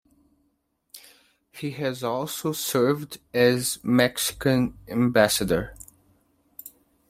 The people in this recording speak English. He has also served as Mexican Ambassador.